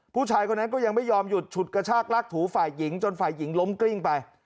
ผู้ชายคนนั้นก็ยังไม่ยอมหยุดฉุดกระชากลากถูฝ่ายหญิงจนฝ่ายหญิงล้มกลิ้งไป